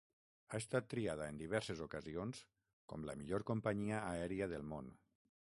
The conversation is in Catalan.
Ha estat triada, en diverses ocasions, com la millor companyia aèria del món.